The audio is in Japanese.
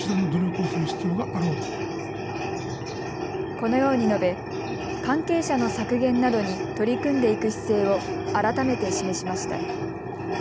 このように述べ関係者の削減などに取り組んでいく姿勢を改めて示しました。